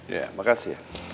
ya makasih ya